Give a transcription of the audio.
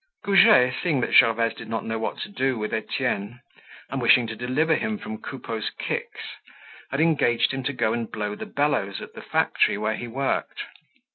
Goujet, seeing that Gervaise did not know what to do with Etienne, and wishing to deliver him from Coupeau's kicks, had engaged him to go and blow the bellows at the factory where he worked.